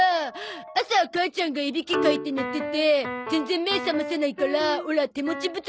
朝母ちゃんがいびきかいて寝てて全然目覚まさないからオラてもちぶたさんで。